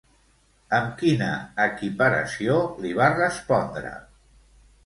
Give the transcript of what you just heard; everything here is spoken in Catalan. Amb quina equiparació li va respondre?